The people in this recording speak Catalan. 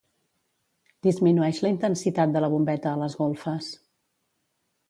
Disminueix la intensitat de la bombeta a les golfes.